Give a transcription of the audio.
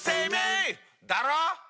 だろ？